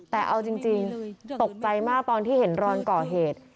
แต่เอาจริงตกใจมากตอนที่เห็นรอนก่อเหตุ